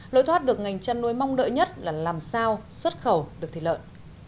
lối thoát được ngành chăn nuôi mong đợi nhất là làm sao xuất khẩu được thịt lợn